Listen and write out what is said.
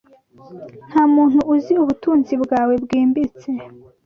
ntamuntu uzi ubutunzi bwawe bwimbitse